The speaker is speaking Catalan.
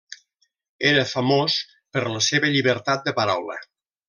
Era famós per la seva llibertat de paraula.